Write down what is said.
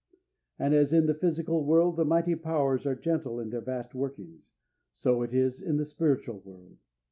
And as in the physical world the mighty powers are gentle in their vast workings, so it is in the spiritual world.